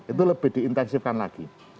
itu lebih diintensifkan lagi